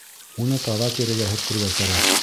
Уны таҙа тирегә һөртөргә кәрәк.